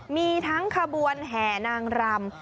มีทั้งขบวนแห่นางรำ